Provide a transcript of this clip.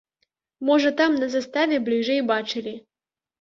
Можа там на заставе бліжэй бачылі.